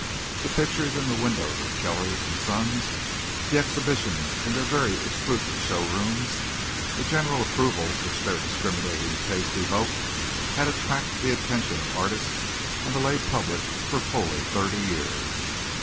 The pictures in the windows of Kellner and Son, the exhibitions in their very exclusive show rooms, the general approval which their discriminating taste evoked, had attracted the attention of artists and the lay public for fully thirty years.